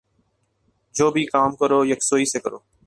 جو بھی کام کرو یکسوئی سے کرو۔